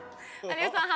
有吉さん